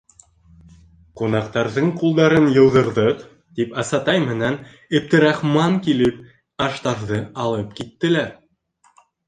— Ҡунаҡтарҙың ҡулдарын йыуҙырҙыҡ, — тип Асатай менән Эптерәхман килеп аштарҙы алып киттеләр.